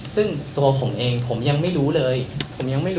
ซึ่งตัวผมเองผมยังไม่รู้เลย